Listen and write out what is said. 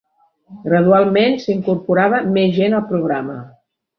Gradualment s'incorporava més gent al programa.